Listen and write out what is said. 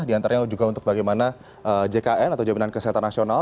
diantaranya juga untuk bagaimana jkn atau jaminan kesehatan nasional